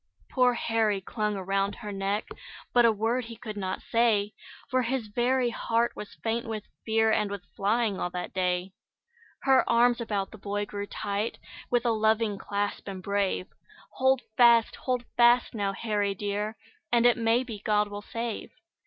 Poor Harry clung around her neck, But a word he could not say, For his very heart was faint with fear, And with flying all that day. Her arms about the boy grew tight, With a loving clasp, and brave; "Hold fast! Hold fast, now, Harry dear, And it may be God will save."